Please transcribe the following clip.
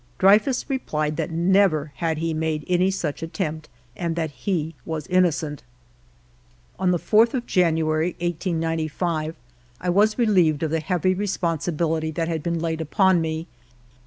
Dreyfus replied that never had he made any such attempt, and that he was innocent. On the 4th of January, 1895, I was relieved of the heavy responsibility that had been laid upon me.